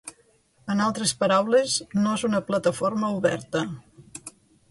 En altres paraules, no és una plataforma oberta.